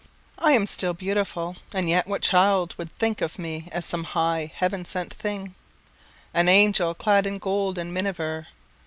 I am still beautiful, and yet what child Would think of me as some high, heaven sent thing, An angel, clad in gold and miniver?